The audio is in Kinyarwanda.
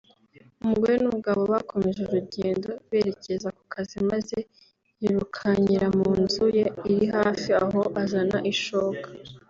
umugore n’umugabo bakomeje urugendo berekeza ku kazi maze yirukankira mu nzu ye iri hafi aho azana ishoka